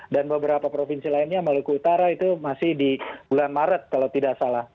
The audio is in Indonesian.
dan beberapa provinsi lainnya maluku utara itu masih di bulan maret kalau tidak salah